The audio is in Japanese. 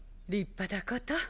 立派だこと。